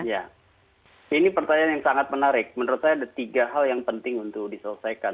ya ini pertanyaan yang sangat menarik menurut saya ada tiga hal yang penting untuk diselesaikan